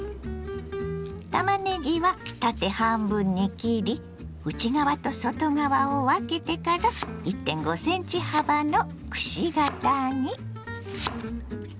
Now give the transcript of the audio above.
たまねぎは縦半分に切り内側と外側を分けてから１．５ｃｍ幅のくし形に。